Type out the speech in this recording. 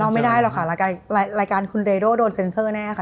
ไม่ได้หรอกค่ะรายการคุณเรโดโดนเซ็นเซอร์แน่ค่ะ